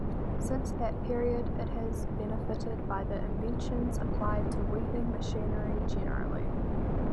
Since that period, it has benefited by the inventions applied to weaving machinery generally.